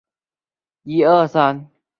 与野车站的铁路车站。